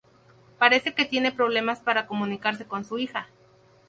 Parece que tiene problemas para comunicarse con su hija.